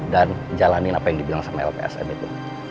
dan jalani apa yang dibilang sama lpsm itu